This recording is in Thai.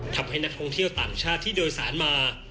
ทำให้นักท่องเที่ยวต่างชาติที่โดยสารมา